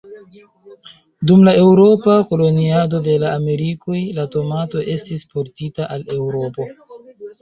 Dum la eŭropa koloniado de la Amerikoj, la tomato estis portita al Eŭropo.